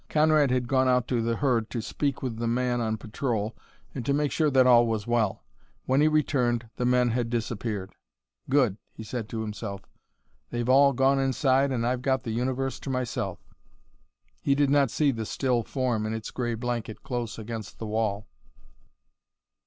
Conrad had gone out to the herd to speak with the man on patrol and to make sure that all was well. When he returned the men had disappeared. "Good!" he said to himself. "They've all gone inside and I've got the universe to myself." He did not see the still form in its gray blanket close against the wall.